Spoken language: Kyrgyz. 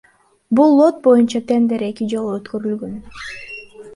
Бул лот боюнча тендер эки жолу өткөрүлгөн.